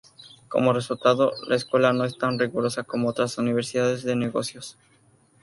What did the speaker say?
Como resultado, la escuela no es tan rigurosa como otras universidades de negocios.